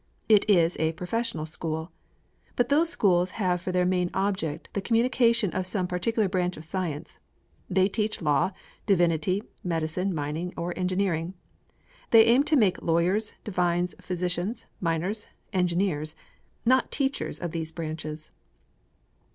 It is a professional school. But those schools have for their main object the communication of some particular branch of science. They teach law, divinity, medicine, mining, or engineering. They aim to make lawyers, divines, physicians, miners, engineers, not teachers of these branches.